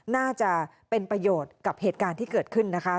น่าจะเป็นประโยชน์กับเหตุการณ์ที่เกิดขึ้นนะคะ